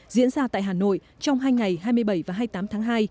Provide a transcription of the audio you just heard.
diễn ra tại hà nội trong hai ngày hai mươi bảy và hai mươi tám tháng hai